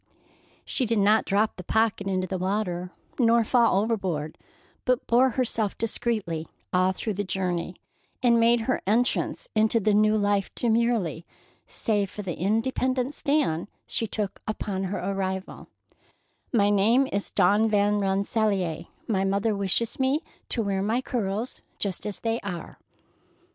She did not drop the pocket into the water, nor fall overboard, but bore herself discreetly all through the journey, and made her entrance into the new life demurely, save for the independent stand she took upon her arrival: "My name is Dawn Van Rensselaer, and my mother wishes me to wear my curls just as they are."